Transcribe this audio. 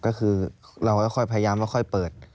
ก็คือเราก็ค่อยพยายามแล้วค่อยเปิด